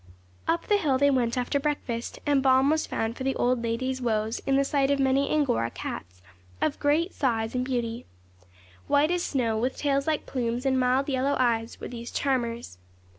Up the hill they went after breakfast; and balm was found for the old lady's woes in the sight of many Angora cats, of great size and beauty. White as snow, with tails like plumes, and mild, yellow eyes, were these charmers.